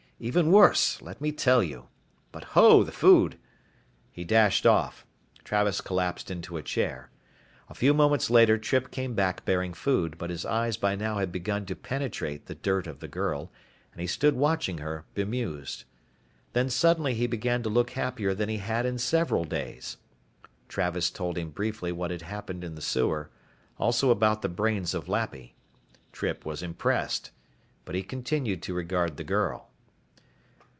Even worse. Let me tell you. But ho, the food." He dashed off. Travis collapsed into a chair. A few moments later Trippe came back bearing food, but his eyes by now had begun to penetrate the dirt of the girl, and he stood watching her, bemused. Then suddenly he began to look happier than he had in several days. Travis told him briefly what had happened in the sewer, also about the brains of Lappy. Trippe was impressed. But he continued to regard the girl.